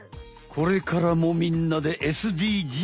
これからもみんなでＳＤＧｓ。